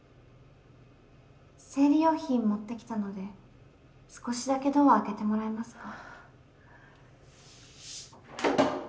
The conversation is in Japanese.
・生理用品持ってきたので少しだけドア開けてもらえますか？